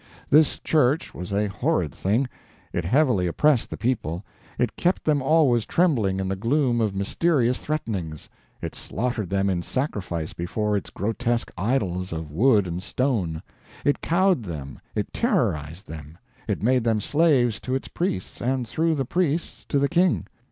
This Church was a horrid thing. It heavily oppressed the people; it kept them always trembling in the gloom of mysterious threatenings; it slaughtered them in sacrifice before its grotesque idols of wood and stone; it cowed them, it terrorized them, it made them slaves to its priests, and through the priests to the king.